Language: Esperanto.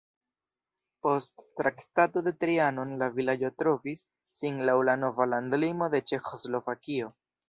Post Traktato de Trianon la vilaĝo trovis sin laŭ la nova landlimo de Ĉeĥoslovakio.